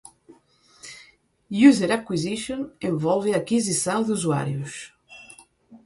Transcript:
User Acquisition envolve aquisição de usuários.